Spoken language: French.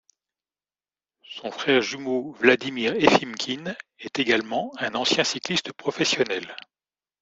Son frère jumeau Vladimir Efimkin est également un ancien cycliste professionnel.